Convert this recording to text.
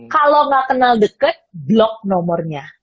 kalau nggak kenal deket blok nomornya